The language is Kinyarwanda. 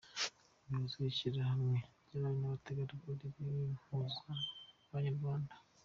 Umuyobozi w’ishyirahamwe ry’abari n’abategarugori b’impunzi z’abanyarwanda